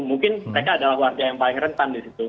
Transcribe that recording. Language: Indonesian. mungkin mereka adalah warga yang paling rentan di situ